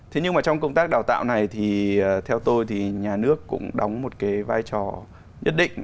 thế nhưng mà trong công tác đào tạo này thì theo tôi thì nhà nước cũng đóng một cái vai trò nhất định